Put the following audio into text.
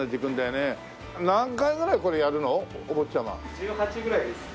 １８ぐらいです。